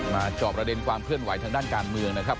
จอบประเด็นความเคลื่อนไหวทางด้านการเมืองนะครับ